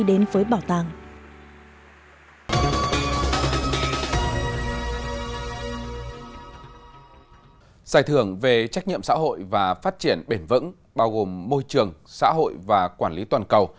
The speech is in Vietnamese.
điều trách nhiệm xã hội và phát triển bền vững bao gồm môi trường xã hội và quản lý toàn cầu